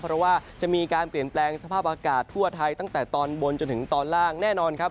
เพราะว่าจะมีการเปลี่ยนแปลงสภาพอากาศทั่วไทยตั้งแต่ตอนบนจนถึงตอนล่างแน่นอนครับ